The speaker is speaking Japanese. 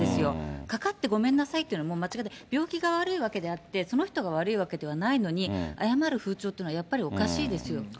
かかってごめんなさいっていうのは、もう間違いで、病気が悪いわけであって、その人が悪いわけではないのに、謝る風潮って、やっぱりおかしいですよ。